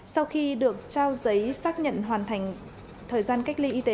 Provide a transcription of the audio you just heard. sau khi được trao giấy xác nhận hoàn thành thời gian cách ly y tế